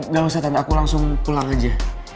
gak usah tanda aku langsung pulang aja